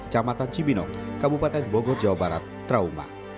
camatan cibinok kabupaten bogor jawa barat trauma